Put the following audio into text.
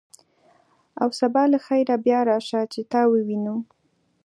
او سبا له خیره بیا راشه، چې تا ووینو.